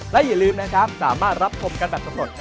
และอย่าลืมนะครับสามารถรับชมกันแบบสำรวจ